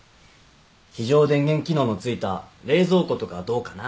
非常電源機能の付いた冷蔵庫とかどうかなって思って。